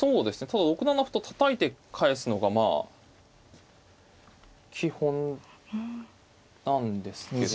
ただ６七歩とたたいて返すのがまあ基本なんですけど。